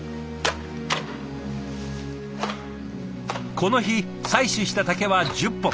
この日採取した竹は１０本。